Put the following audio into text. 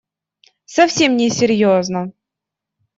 Совсем не серьезно.